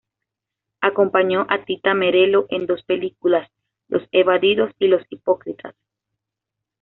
Acompañó a Tita Merello en dos películas, "Los evadidos" y "Los hipócritas".